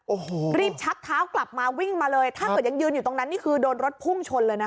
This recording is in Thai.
โอ้โหรีบชักเท้ากลับมาวิ่งมาเลยถ้าเกิดยังยืนอยู่ตรงนั้นนี่คือโดนรถพุ่งชนเลยนะคะ